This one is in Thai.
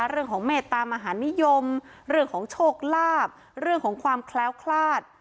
เรื่องของเมตตามหานิยมเรื่องของโชคลาภเรื่องของความแคล้วคลาด